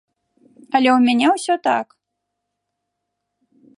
Але ў мяне ўсё так!